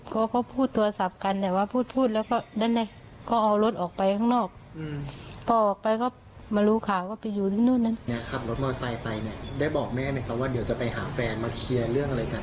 ขับรถมอสไฟไปเนี่ยได้บอกแม่ไหมครับว่าเดี๋ยวจะไปหาแฟนมาเคลียร์เรื่องอะไรกัน